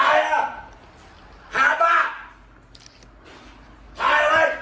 ถ่ายอะไร